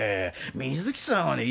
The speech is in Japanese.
水木さんはね